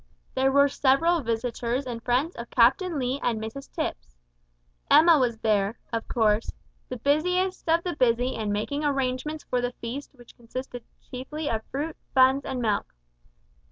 There were several visitors and friends of Captain Lee and Mrs Tipps. Emma was there, of course, the busiest of the busy in making arrangements for the feast which consisted chiefly of fruit, buns, and milk.